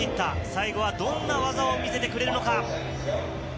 最後はどんな技を見せてくれるのか。